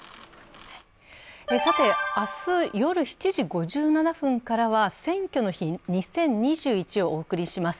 明日、夜７時５７分からは「選挙の日２０２１」をお送りします。